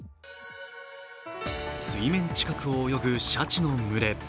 水面近くを泳ぐシャチの群れ。